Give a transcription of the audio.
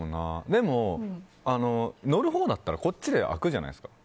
でも、乗るほうだったらボタンを押せば開くじゃないですか。